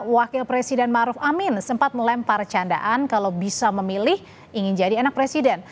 wakil presiden maruf amin sempat melempar candaan kalau bisa memilih ingin jadi anak presiden